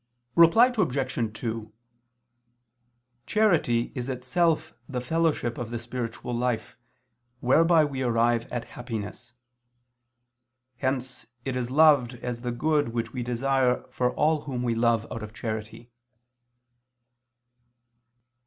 Reply Obj. 2: Charity is itself the fellowship of the spiritual life, whereby we arrive at happiness: hence it is loved as the good which we desire for all whom we love out of charity.